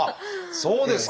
そうですね。